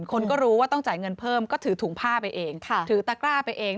คนก็รู้ว่าต้องจ่ายเงินเพิ่มก็ถือถุงผ้าไปเองถือตะกร้าไปเอง